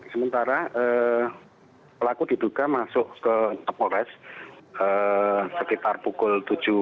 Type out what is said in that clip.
sementara pelaku diduga masuk ke tepores sekitar pukul tujuh lima belas